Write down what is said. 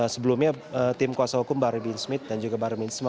sebelumnya tim kuasa hukum bahar bin smith dan juga bahar bin smit